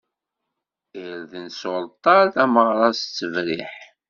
Irden s uṛeṭṭal, tameɣṛa s ttebriḥ.